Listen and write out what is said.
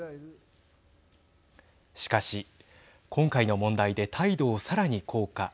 しかし今回の問題で態度をさらに硬化。